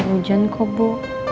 baru hujan kok bu